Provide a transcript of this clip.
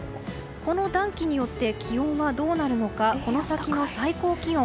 この暖気によって気温はどうなるのかこの先の最高気温。